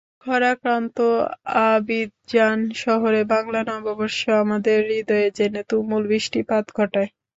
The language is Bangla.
খরাক্রান্ত আবিদজান শহরে বাংলা নববর্ষ আমাদের হৃদয়ে যেন তুমুল বৃষ্টিপাত ঘটায়।